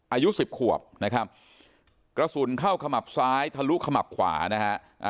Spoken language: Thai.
อายุสิบขวบนะครับกระสุนเข้าขมับซ้ายทะลุขมับขวานะฮะ